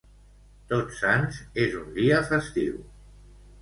Tots Sants és un dia festiu.